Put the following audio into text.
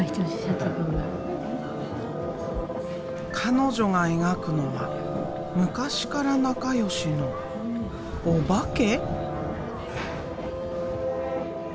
彼女が描くのは昔から仲良しのおばけ？